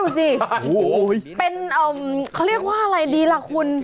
สิเป็นเขาเรียกว่าอะไรดีล่ะคุณ